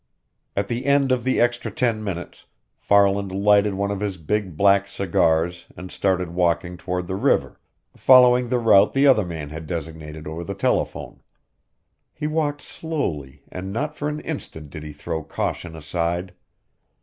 At the end of the extra ten minutes, Farland lighted one of his big, black cigars and started walking toward the river, following the route the other man had designated over the telephone. He walked slowly and not for an instant did he throw caution aside.